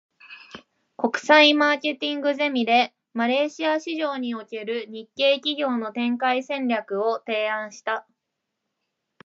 国際マーケティングゼミで、マレーシア市場における日系企業の展開戦略を提案した。